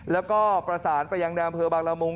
แล้วก็ประสานประยังแดมเผลอบังละมุง